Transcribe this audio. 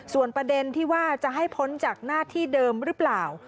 ส่วนประเด็นที่ว่าจะให้พ้นจากหน้าที่เดิมหรือเปล่า